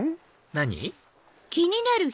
何？